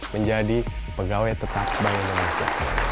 menjadi pegawai tetap bank indonesia